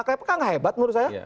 kpk nggak hebat menurut saya